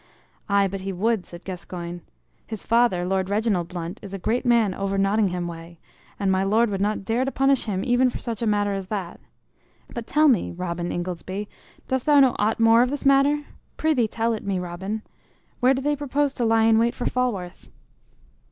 "Aye, but he would," said Gascoyne. "His father, Lord Reginald Blunt, is a great man over Nottingham way, and my Lord would not dare to punish him even for such a matter as that. But tell me, Robin Ingoldsby, dost know aught more of this matter? Prithee tell it me, Robin. Where do they propose to lie in wait for Falworth?"